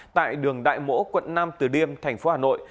tại đường đại mỗ quận năm từ điêm thành phố hà nội